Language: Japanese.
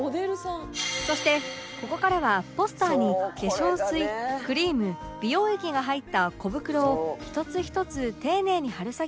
そしてここからはポスターに化粧水クリーム美容液が入った小袋を一つ一つ丁寧に貼る作業に